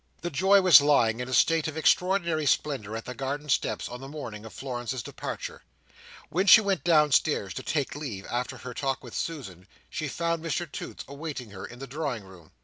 The Joy was lying in a state of extraordinary splendour, at the garden steps, on the morning of Florence's departure. When she went downstairs to take leave, after her talk with Susan, she found Mr Toots awaiting her in the drawing room.